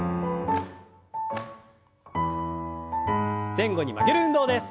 前後に曲げる運動です。